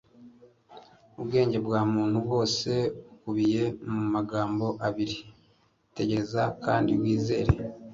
ubwenge bwa muntu bwose bukubiye mu magambo abiri; tegereza kandi wizere